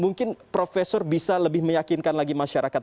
mungkin profesor bisa lebih meyakinkan lagi masyarakat